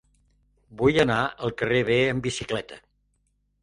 Vull anar al carrer B amb bicicleta.